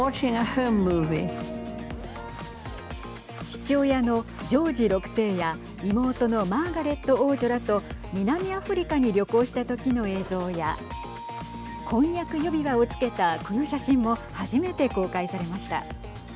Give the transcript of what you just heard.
父親のジョージ６世や妹のマーガレット王女らと南アフリカに旅行したときの映像や婚約指輪をつけたこの写真も初めて公開されました。